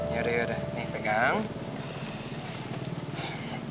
yaudah yaudah nih pegang